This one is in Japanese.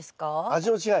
味の違い